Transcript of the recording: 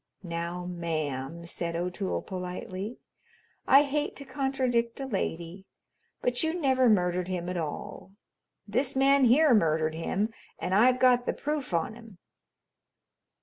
"Now, ma'am," said O'Toole politely, "I hate to contradict a lady, but you never murdered him at all. This man here murdered him, and I've got the proof on him."